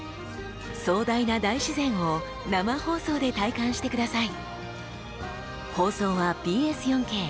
壮大な大自然を生放送で体感してください。